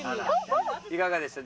いかがでしょう？